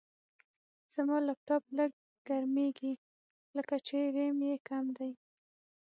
زما لپټاپ لږ ګرمېږي، لکه چې ریم یې کم دی.